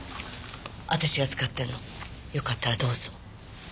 私が使ってるのよかったらどうぞ。